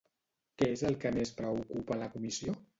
Què és el que més preocupa a la Comissió?